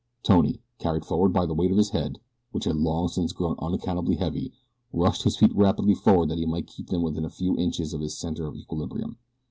Tony, carried forward by the weight of his head, which had long since grown unaccountably heavy, rushed his feet rapidly forward that he might keep them within a few inches of his center of equilibrium.